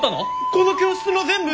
この教室の全部！？